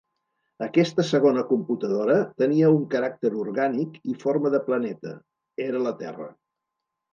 Aquesta segona computadora tenia un caràcter orgànic i forma de planeta, era la Terra.